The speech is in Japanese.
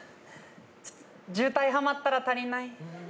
渋滞ハマったら足りない。